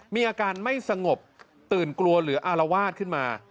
มีอาการไม่สงบตื่นกลัวหรืออารวาสขึ้นมา